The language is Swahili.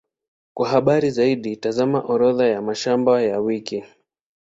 Kwa habari zaidi, tazama Orodha ya mashamba ya wiki.